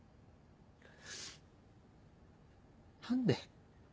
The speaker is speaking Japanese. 何で。